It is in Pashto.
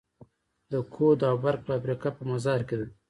د کود او برق فابریکه په مزار کې ده